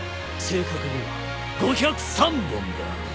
正確には５０３本だ！